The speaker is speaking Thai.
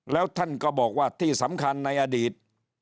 แล้วท่านก็บอกว่าที่สำคัญในอดีต